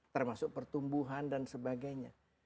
termasuk pertumbuhan dan sebagainya